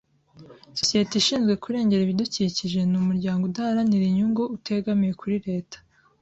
Sosiyete ishinzwe kurengera ibidukikije ni umuryango udaharanira inyungu, utegamiye kuri Leta.